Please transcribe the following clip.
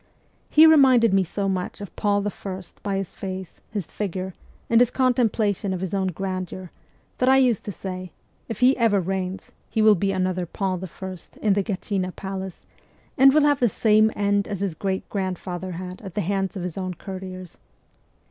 He re minded me so much of Paul I. by his face, his figure, and his contemplation of his own grandeur, that I used to say, ' If he ever reigns, he will be another Paul I. in the Gatchina palace, and will have the same end as his great grandfather had at the hands of his own courtiers.'